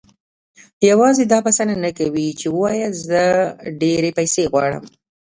يوازې دا بسنه نه کوي چې وواياست زه ډېرې پيسې غواړم.